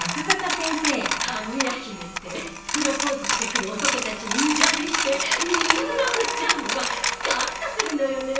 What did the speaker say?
『かぐやひめ』ってプロポーズしてくる男たちにむちゃぶりしてみんな振っちゃうのがスカッとするのよね。